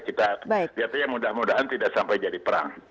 kita biasanya mudah mudahan tidak sampai jadi perang